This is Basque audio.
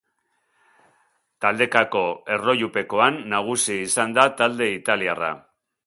Taldekako erlojupekoan nagusi izan da talde italiarra.